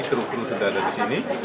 kru kru sudah ada di sini